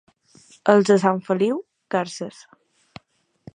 Els de Sant Feliu, garses.